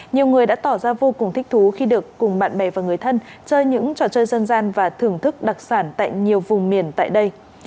nhiều người đã tỏ ra vô cùng thích thú khi được cùng bạn bè và người thân chơi những trò chơi dân gian và thưởng thức đặc sản tại nhiều vùng miền tại đây